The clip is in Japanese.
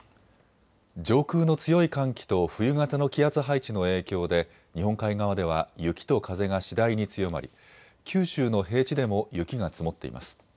上空の強い寒気と冬型の気圧配置の影響で日本海側では雪と風が次第に強まり、九州の平地でも雪が積もっています。